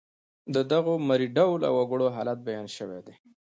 د دغو مري ډوله وګړو حالت بیان شوی دی.